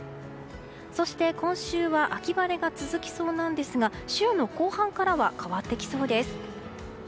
そして今週は秋晴れが続きそうなんですが週の後半からは変わってきそうです。